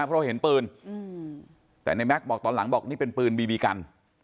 เพราะเห็นปืนแต่ในแม็กซ์บอกตอนหลังบอกนี่เป็นปืนบีบีกัน